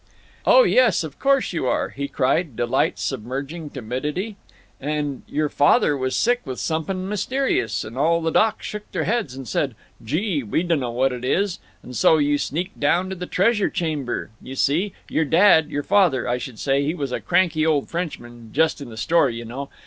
"Oh yes, of course you are!" he cried, delight submerging timidity. "And your father was sick with somepun' mysterious, and all the docs shook their heads and said 'Gee! we dunno what it is,' and so you sneaked down to the treasure chamber—you see, your dad—your father, I should say—he was a cranky old Frenchman—just in the story, you know.